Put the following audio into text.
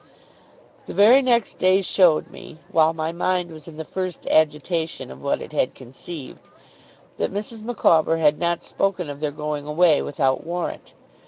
The very next day showed me, while my mind was in the first agitation of what it had conceived, that Mrs. Micawber had not spoken of their going away without warrant.